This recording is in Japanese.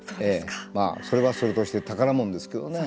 まあそれはそれとして宝物ですけどね。